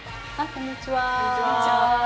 こんにちは。